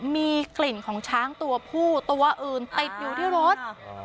มีกลิ่นของช้างตัวผู้ตัวอื่นติดอยู่ที่รถ